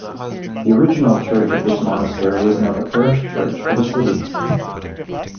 The original church of this monastery is now the parish church for the city.